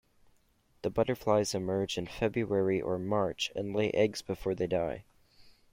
The butterflies emerge in February or March and lay eggs before they die.